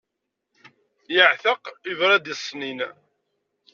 Yeɛteq yebra-d i ṣṣnin.